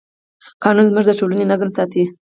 قانون زموږ د ټولنې نظم ساتي.